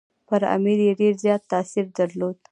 پر امیر یې ډېر زیات تاثیر درلود.